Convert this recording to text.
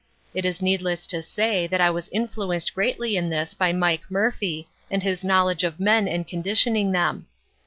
It is needless to say that I was influenced greatly in this by Mike Murphy and his knowledge of men and conditioning them.